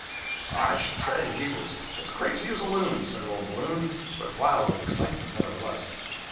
"I should say he was as crazy as a loon!" said old Ballou, but wild with excitement, nevertheless.